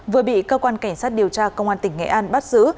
vừa bị cơ quan cảnh sát điều tra công an tỉnh nghệ an bắt giữ